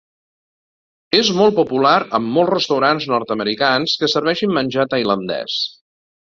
És molt popular en molts restaurants nord-americans que serveixen menjar tailandès.